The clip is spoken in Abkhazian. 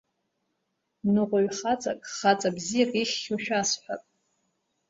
Ныҟәаҩ хаҵак, хаҵа бзиак ихьхьоу шәасҳәап.